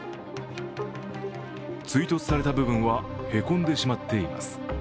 追突された部分はへこんでしまっています。